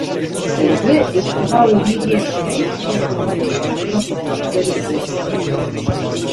Lwy ucztowały nie więcej, jak o dwadzieścia kroków od zeriby.